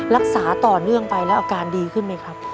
รักษาต่อเนื่องไปแล้วอาการดีขึ้นไหมครับ